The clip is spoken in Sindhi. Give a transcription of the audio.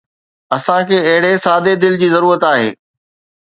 اسان کي اهڙي سادي دل جي ضرورت آهي